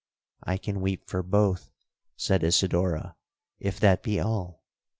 '—'I can weep for both,' said Isidora, 'if that be all.'